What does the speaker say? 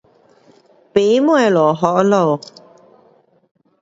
没东西给他们